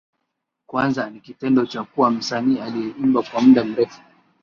Kwanza ni kitendo cha kuwa msanii aliyeimba kwa muda mrefu